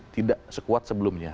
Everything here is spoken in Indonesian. tidak sekuat sebelumnya